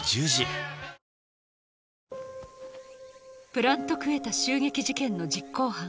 プラント・クエタ襲撃事件の実行犯